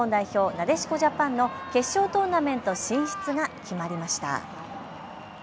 なでしこジャパンの決勝トーナメント進出が決まりました。